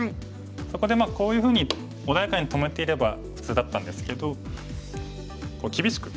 そこでこういうふうに穏やかに止めていれば普通だったんですけど厳しく。